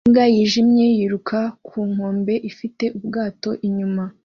Imbwa yijimye yiruka ku nkombe ifite ubwato inyuma